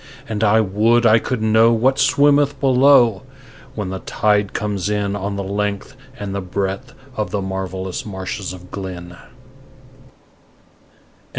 And I would I could know what swimmeth below when the tide comes in On the length and the breadth of the marvellous marshes of Glynn.